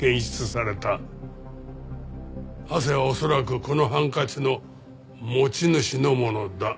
汗は恐らくこのハンカチの持ち主のものだ。